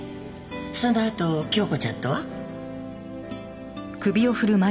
そのあと京子ちゃんとは？